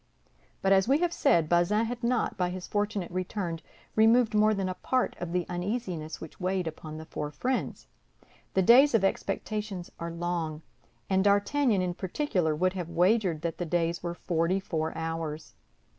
But, as we have said, Bazin had not, by his fortunate return, removed more than a part of the uneasiness which weighed upon the four friends. The days of expectation are long, and D'Artagnan, in particular, would have wagered that the days were forty four hours.